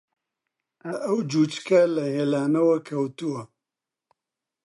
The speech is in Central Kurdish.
ئەو جووچکە لە هێلانەوە کەوتووە